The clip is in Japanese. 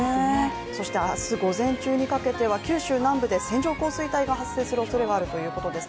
そして明日午前中にかけては九州南部にかけて線状降水帯が発生するおそれがあるということです。